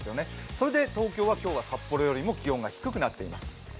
それで東京は今日は札幌よりも気温が低くなっています。